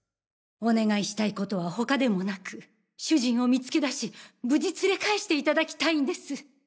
お願いしたい事は他でもなく主人を見つけ出し無事連れ返して頂きたいんです。